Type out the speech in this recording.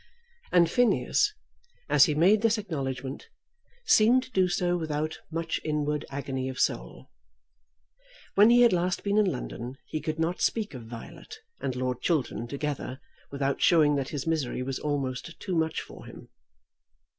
And Phineas, as he made this acknowledgment, seemed to do so without much inward agony of soul. When he had been last in London he could not speak of Violet and Lord Chiltern together without showing that his misery was almost too much for him.